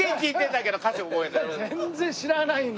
全然知らないんだ。